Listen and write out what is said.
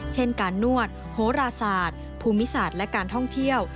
เช่นการนวดโหราศาสตร์ภูมิศาสตร์และการท่องเที่ยว